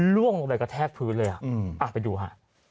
ล่วงลงไปกระแทกพื้นเลยอ่ะอืมอ่าไปดูฮะ